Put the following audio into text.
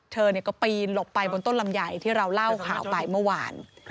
เธอก็ปีนหลบไปบนต้นลำไยที่เราเล่าข่าวไปเมื่อวาน